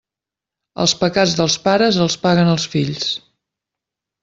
Els pecats dels pares els paguen els fills.